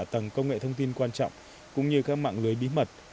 tầng công nghệ thông tin quan trọng cũng như các mạng lưới bí mật